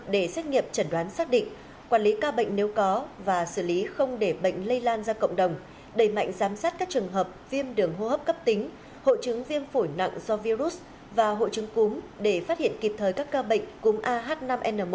để xét nghiệm chẩn đoán xác định quản lý ca bệnh nếu có và xử lý không để bệnh lây lan ra cộng đồng đẩy mạnh giám sát các trường hợp viêm đường hô hấp cấp tính hội chứng viêm phổi nặng do virus và hội chứng cúm để phát hiện kịp thời các ca bệnh cúm ah năm n một